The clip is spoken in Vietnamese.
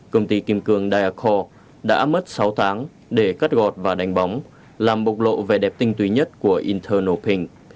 công ty kim cương diacore đã mất sáu tháng để cắt gọt và đánh bóng làm bộc lộ về đẹp tinh túy nhất của internal pink